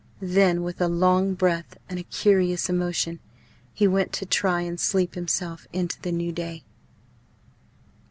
Then, with a long breath and a curious emotion, he went to try and sleep himself into the new day.